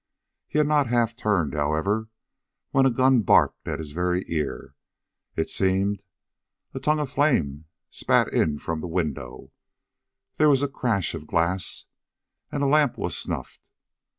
He had not half turned, however, when a gun barked at his very ear, it seemed, a tongue of flame spat in from the window, there was a crash of glass, and the lamp was snuffed.